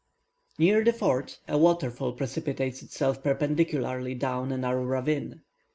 Near the fort, a waterfall precipitates itself perpendicularly down a narrow ravine.